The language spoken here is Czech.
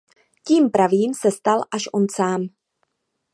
Tím pravým se stal až on sám.